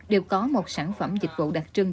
đều có một sản phẩm dịch vụ đặc trưng